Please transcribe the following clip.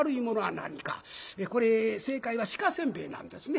これ正解は鹿煎餅なんですね。